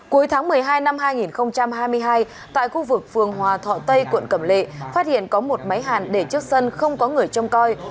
cuối tháng một mươi hai năm hai nghìn hai mươi hai tại khu vực phường hòa thọ tây quận cẩm lệ phát hiện có một máy hàn để trước sân không có người trông coi